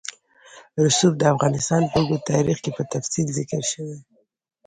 رسوب د افغانستان په اوږده تاریخ کې په تفصیل ذکر شوی.